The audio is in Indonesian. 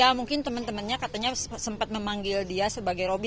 ya mungkin temen temennya katanya sempat memanggil dia sebagai robi